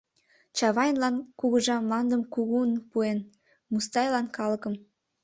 Чавайлан кугыжа мландым кугун пуэн, Мустайлан — калыкым.